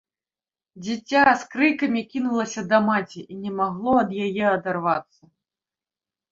Дзіця з крыкам кінулася да маці і не магло ад яе адарвацца.